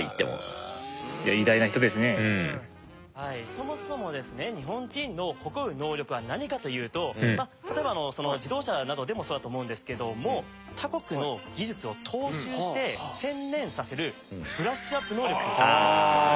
そもそもですね日本人の誇る能力は何かというと例えば自動車などでもそうだと思うんですけども他国の技術を踏襲して洗練させるブラッシュアップ能力だと思うんですよ。